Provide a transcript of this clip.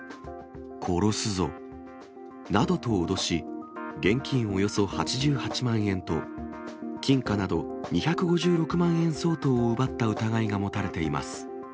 殺すぞ。などと脅し、現金およそ８８万円と、金貨など２５６万円相当を奪った疑いが持たれています。